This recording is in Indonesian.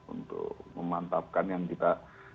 untuk memantapkan yang kita